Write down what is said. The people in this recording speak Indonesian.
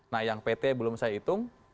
nah yang pt belum saya hitung